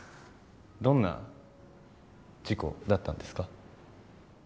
どんな事故だったんですか？